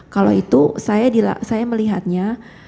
kalau itu saya melihatnya